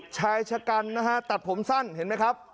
ชายชะกันนะฮะตัดผมสั้นเห็นไหมครับ